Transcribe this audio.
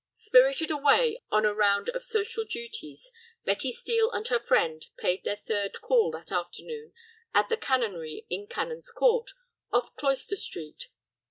Spirited away on a round of social duties, Betty Steel and her friend paid their third call that afternoon at the Canonry in Canon's Court, off Cloister Street.